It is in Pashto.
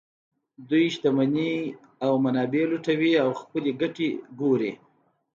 دوی شتمنۍ او منابع لوټوي او خپلې ګټې ګوري